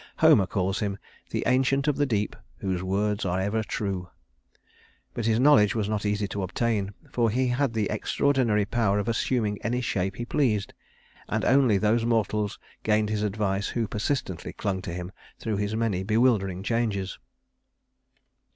Homer calls him "the Ancient of the Deep whose words are ever true"; but his knowledge was not easy to obtain, for he had the extraordinary power of assuming any shape he pleased, and only those mortals gained his advice who persistently clung to him through his many bewildering changes.